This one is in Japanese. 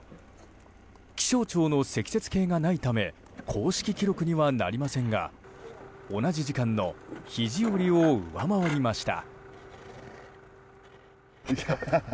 気象庁の積雪計がないため公式記録にはなりませんが同じ時間の肘折を上回りました。